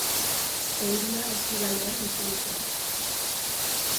Euria ostiralean itzuliko da.